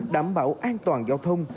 đảm bảo an toàn giao thông